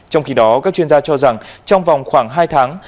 trong khi đó các chuyên gia cho rằng trong vòng khoảng hai tháng